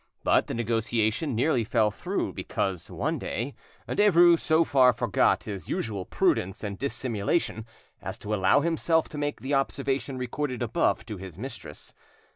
But the negotiation nearly fell through, because, one day, Derues so far forgot his usual prudence and dissimulation as to allow himself to make the observation recorded above to his mistress.